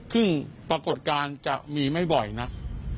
ซึ่งปรากฏการณ์จะมีไม่บ่อยนัก